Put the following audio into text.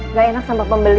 enggak enak sama pembeli